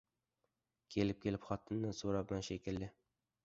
— Kelib-kelib xotinidan so‘rabman shekilli.